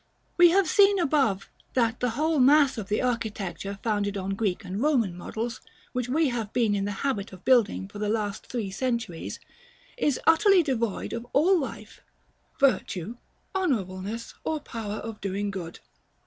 We have seen above, that the whole mass of the architecture, founded on Greek and Roman models, which we have been in the habit of building for the last three centuries, is utterly devoid of all life, virtue, honorableness, or power of doing good.